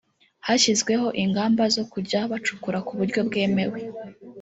hashyizweho ingamba zo kujya bacukura ku buryo bwemewe